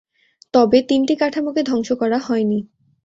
তবে, তিনটি কাঠামোকে ধ্বংস করা হয়নি।